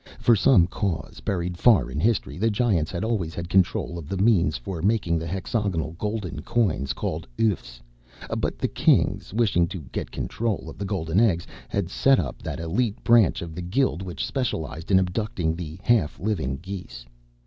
For some cause buried far in history, the Giants had always had control of the means for making the hexagonal golden coins called oeufs. But the Kings, wishing to get control of the golden eggs, had set up that élite branch of the Guild which specialized in abducting the half living 'geese.'